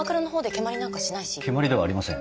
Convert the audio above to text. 蹴まりではありません。